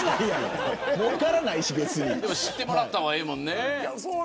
知ってもらった方がいいもんね。